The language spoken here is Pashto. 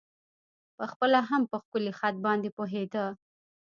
په خپله هم په ښکلی خط باندې پوهېده.